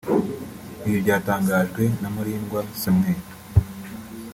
Ibi byatangajwe na Murindwa Samuel